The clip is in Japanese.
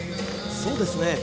そうですね